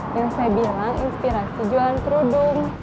yang saya bilang inspirasi jualan kerudung